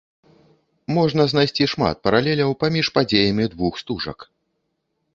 Можна знайсці шмат паралеляў паміж падзеямі двух стужак.